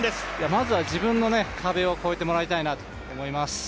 まずは自分の壁を越えてもらいたいなと思います。